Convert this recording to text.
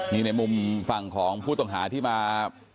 นี่ในมุมฝั่งของผู้ต้องหาที่มา